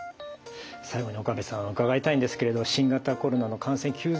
最後に岡部さん伺いたいんですけれど新型コロナの感染急増しています。